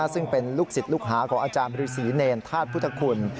ซึ่งเป็นลูกศิษย์ลูกหาของอาจารย์บริษีเนรธาตุพุทธคุณ